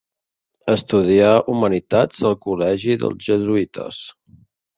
Estudià humanitats al col·legi dels jesuïtes.